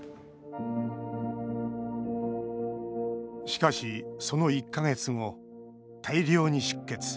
しかし、その１か月後大量に出血。